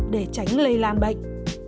để tránh lây lan bệnh